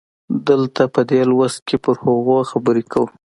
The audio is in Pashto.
دلته په دې لوست کې پر هغو خبرې کوو.